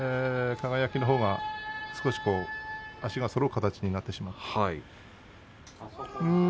輝のほうが少し足がそろう形になってしまう。